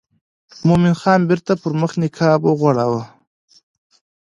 مومن خان بیرته پر مخ نقاب وغوړاوه.